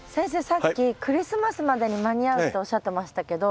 さっきクリスマスまでに間に合うっておっしゃってましたけど